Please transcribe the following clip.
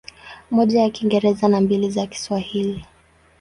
Moja ya Kiingereza na mbili za Kiswahili.